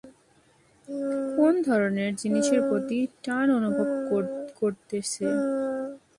কোন ধরনের জিনিসের প্রতি টান অনুভব করতে সে?